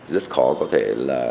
rất khó có thể là